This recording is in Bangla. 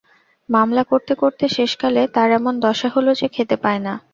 মামলা করতে করতে শেষকালে তার এমন দশা হল যে খেতে পায় না।